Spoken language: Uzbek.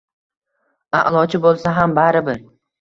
A’lochi bo‘lsa ham baribir.